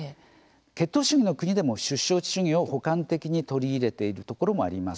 血統主義の国でも出生地主義を補完的に取り入れているところもあります。